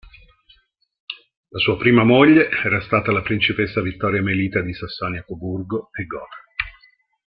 La sua prima moglie era stata la Principessa Vittoria Melita di Sassonia-Coburgo e Gotha.